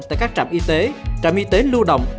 tại các trạm y tế trạm y tế lưu động